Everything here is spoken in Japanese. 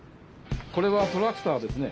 これはトラクターですね。